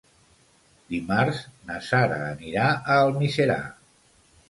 Dimarts na Sara anirà a Almiserà.